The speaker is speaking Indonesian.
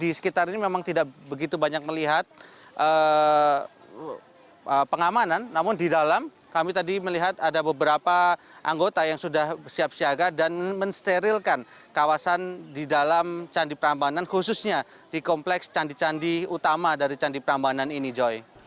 di sekitar ini memang tidak begitu banyak melihat pengamanan namun di dalam kami tadi melihat ada beberapa anggota yang sudah siap siaga dan mensterilkan kawasan di dalam candi prambanan khususnya di kompleks candi candi utama dari candi prambanan ini joy